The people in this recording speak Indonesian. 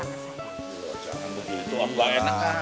jangan begitu om gak enak